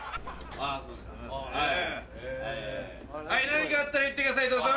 ・何かあったら言ってくださいどうぞ！